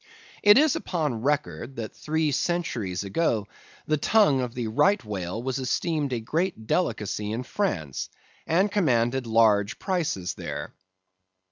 It is upon record, that three centuries ago the tongue of the Right Whale was esteemed a great delicacy in France, and commanded large prices there.